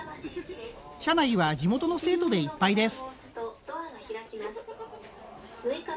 車内は地元の生徒でいっぱいです。